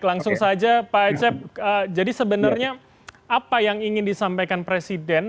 langsung saja pak acep jadi sebenarnya apa yang ingin disampaikan presiden